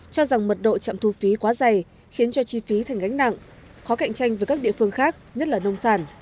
cho rằng mật độ chạm thu phí quá dày khiến cho chi phí thành gánh nặng khó cạnh tranh với các địa phương khác nhất là nông sản